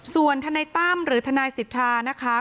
ส่วนทนายตั้มหรือทนายสิทธานะคะ